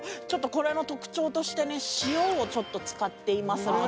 これの特徴として塩をちょっと使っていますので。